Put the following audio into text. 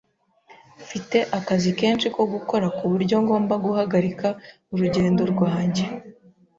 Mfite akazi kenshi ko gukora kuburyo ngomba guhagarika urugendo rwanjye.